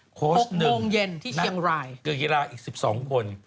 โค้ช๑นักเกียราศาสตร์อีก๑๒คนพรุ่งโมงเย็นที่เชียงราย